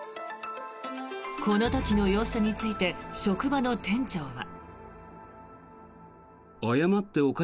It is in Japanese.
この時の様子について職場の店長は。